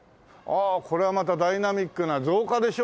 これはまたダイナミックな造花でしょ？